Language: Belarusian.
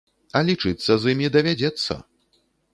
А лічыцца з імі давядзецца.